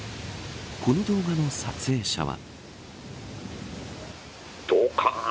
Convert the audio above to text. この動画の撮影者は。